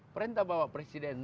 perintah bapak presiden